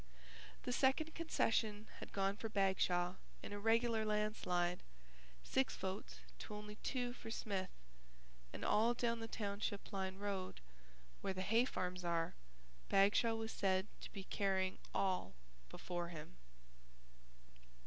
The second concession had gone for Bagshaw in a regular landslide, six votes to only two for Smith, and all down the township line road (where the hay farms are) Bagshaw was said to be carrying all before him.